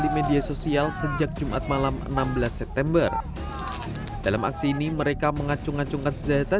di media sosial sejak jumat malam enam belas september dalam aksi ini mereka mengacung acungkan senjata